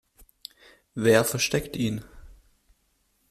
Wer versteckt ihn?